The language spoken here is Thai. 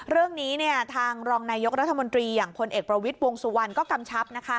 เรื่องนี้ทางรองนายกรัฐมนตรีอย่างพลเอกประวิทย์วงสุวรรณก็กำชับ